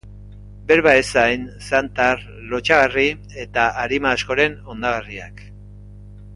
Berba ezain, zantar, lotsagarri eta arima askoren hondagarriak.